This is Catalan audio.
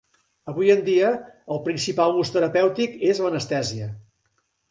Avui en dia, el principal ús terapèutic és l'anestèsia.